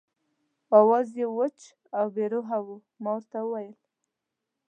آواز یې وچ او بې روحه و، ما ورته وویل.